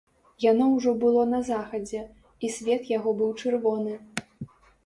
Яно ўжо было на захадзе, і свет яго быў чырвоны.